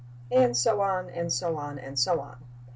And so on and so on and so on.